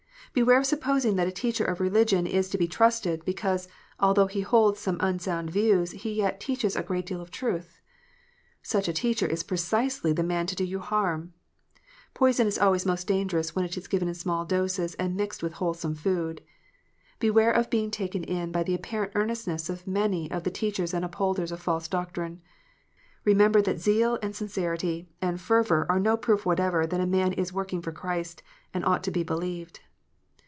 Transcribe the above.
Beware of supposing that a teacher of religion is to be trusted, because, although he holds some unsound views, he yet "teaches a great deal of truth." Such a teacher is precisely the man to do you harm : poison is always most dangerous when it is given in small doses and mixed with wholesome food. Beware of being taken in by the apparent earnestness of many of the teachers and upholders of false doctrine. Kemember that zeal and sincerity and fervour are no proof whatever that a man is working for Christ, and ought to be believed.